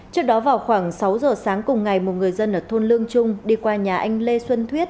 trước đó vào khoảng sáu giờ sáng cùng ngày một người dân ở thôn lương trung đi qua nhà anh lê xuân thuyết